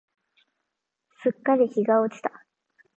すっかり日が落ちた。